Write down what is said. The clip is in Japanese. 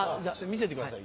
見せてください